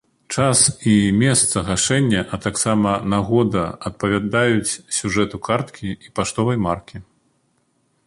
Час і месца гашэння, а таксама нагода адпавядаюць сюжэту карткі і паштовай маркі.